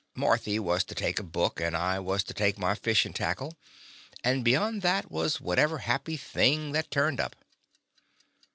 Mar thy was to take a book, and I was to take my fishin' tackle, and beyond that was whatever happy thing that turned up.